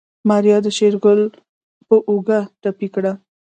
ماريا د شېرګل په اوږه ټپي کړه.